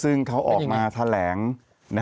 แต่เขาบอกว่าเขาไม่ได้เอาสุนัข